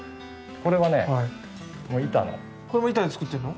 これはね板の。